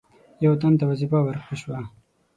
یو تن ته وظیفه ورکړه شوه.